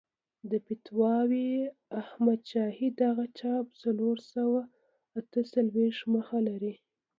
د فتاوی احمدشاهي دغه چاپ څلور سوه اته څلوېښت مخه لري.